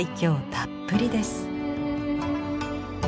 たっぷりです。